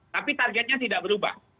tapi targetnya tidak berubah